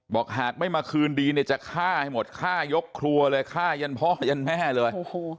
หากไม่มาคืนดีเนี่ยจะฆ่าให้หมดฆ่ายกครัวเลยฆ่ายันพ่อยันแม่เลย